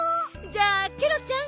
じゃあケロちゃん